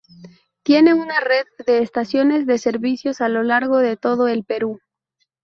Tiene una red de estaciones de servicios a lo largo de todo el Perú.